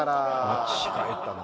間違えたな。